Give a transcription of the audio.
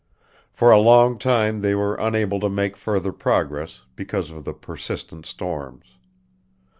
For a long time they were unable to make further progress, because of the persistent storms.